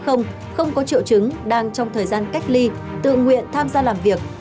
không có triệu chứng đang trong thời gian cách ly tự nguyện tham gia làm việc